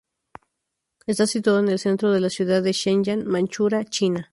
Está situado en el centro de la ciudad de Shenyang, Manchuria, China.